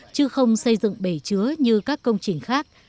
chứ không xây dựng bể chứa như các công trình khác